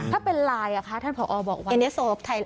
ถ้าเป็นไลน์ท่านผอบอกว่า